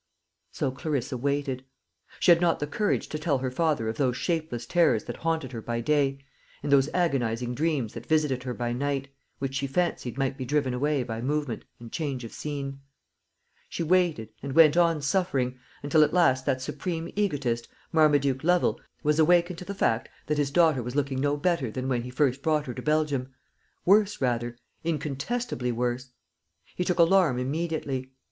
So Clarissa waited. She had not the courage to tell her father of those shapeless terrors that haunted her by day, and those agonising dreams that visited her by night, which she fancied might be driven away by movement and change of scene; she waited, and went on suffering, until at last that supreme egotist, Marmaduke Lovel, was awakened to the fact, that his daughter was looking no better than when he first brought her to Belgium worse rather, incontestably worse. He took alarm immediately.